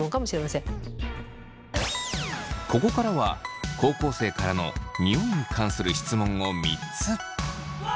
ここからは高校生からのニオイに関する質問を３つ。